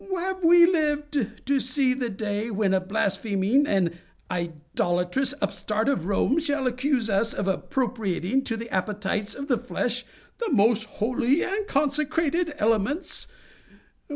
—have we lived to see the day when a blaspheming and idolatrous upstart of Rome shall accuse us of appropriating to the appetites of the flesh the most holy and consecrated elements?